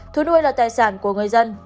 thú nuôi là tài sản của người dân